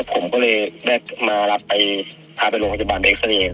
ผมก็เลยได้มารับไปพาไปโลงจังหวัดเด็กซะเนี่ย